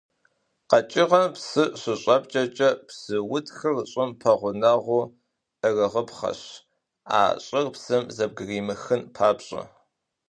Къэкӏыгъэм псы щыщӏэпкӏэкӏэ псы утхыр щӏым пэгъунэгъуу ӏыгъыпхъэщ, а щӏыр псым зэбгыримыхын папщӏэ.